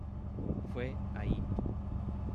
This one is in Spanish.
Fue ahí.